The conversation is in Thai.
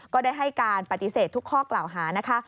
ก็ได้ให้การปฏิเสธทุกข้อกล่าวหานะคะ